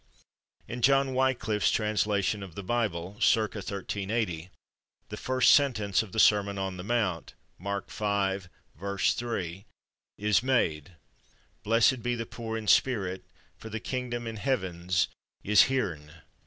In John Wiclif's translation of the Bible (/circa/ 1380) the first sentence of the Sermon on the Mount (Mark v, 3) is made: "Blessed be the pore in spirit, for the kyngdam in hevenes is /heren